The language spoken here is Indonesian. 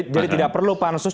jadi tidak perlu pak sus